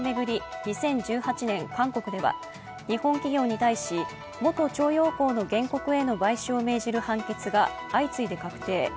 ２０１８年、韓国では日本企業に対し、元徴用工への原告への賠償を命じる判決が相次いで確定。